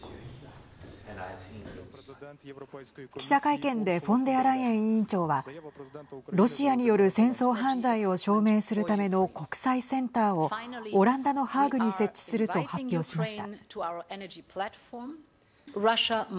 記者会見でフォンデアライエン委員長はロシアによる戦争犯罪を証明するための国際センターをオランダのハーグに設置すると発表しました。